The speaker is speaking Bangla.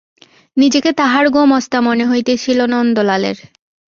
নিজেকে তাহার গোমস্তা মনে হইতেছিল নন্দলালের।